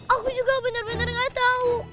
aku juga benar benar gak tau